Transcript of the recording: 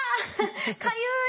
かゆい。